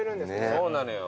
そうなのよ